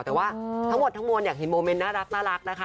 แต่ว่าทั้งหมดทั้งมวลอยากเห็นโมเมนต์น่ารักนะคะ